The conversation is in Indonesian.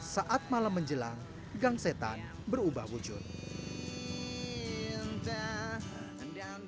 saat malam menjelang gang setan berubah wujud